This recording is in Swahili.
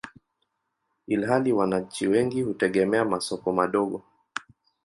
ilhali wananchi wengi hutegemea masoko madogo.